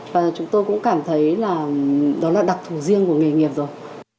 và chúng tôi cũng cảm thấy là đó là đặc thù riêng của nghề nghiệp rồi